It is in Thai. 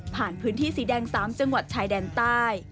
พื้นที่สีแดง๓จังหวัดชายแดนใต้